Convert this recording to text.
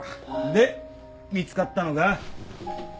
で見つかったのか？